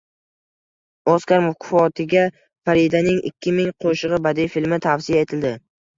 Oskar mukofotiga “Faridaning ikki ming qo‘shig‘i” badiiy filmi tavsiya etildi